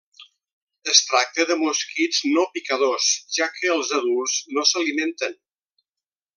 Es tracta de mosquits no picadors, ja que els adults no s'alimenten.